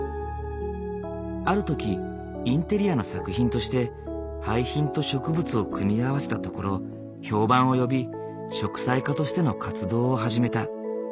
ある時インテリアの作品として廃品と植物を組み合わせたところ評判を呼び植栽家としての活動を始めた。